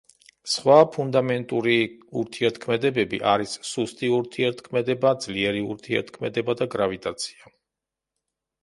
სხვა ფუნდამენტური ურთიერთქმედებები არის სუსტი ურთიერთქმედება, ძლიერი ურთიერთქმედება და გრავიტაცია.